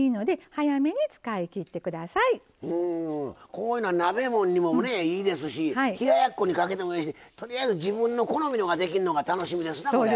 こういうのは鍋もんにもねいいですし冷ややっこにかけてもええしとりあえず自分の好みのができんのが楽しみですなこれ。